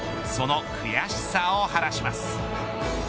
その悔しさを晴らします。